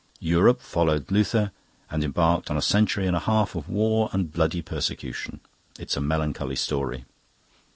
Europe followed Luther and embarked on a century and a half of war and bloody persecution. It's a melancholy story."